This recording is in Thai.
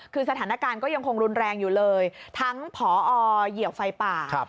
คือสถานการณ์ก็ยังคงรุนแรงอยู่เลยทั้งผอเหยียบไฟป่า